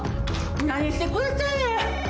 何してくれてんねん。